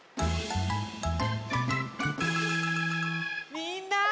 みんな！